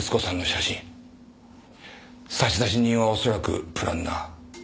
差出人は恐らくプランナー。